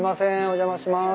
お邪魔します。